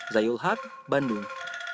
zayul hat bandung